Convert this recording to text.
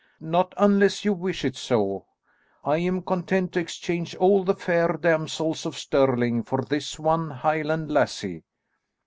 "Not unless you wish it so. I am content to exchange all the fair damsels of Stirling for this one Highland lassie."